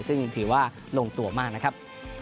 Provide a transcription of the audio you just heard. ซึ่งแบบนี้ก็ถือว่าลงตัวมากนะครับ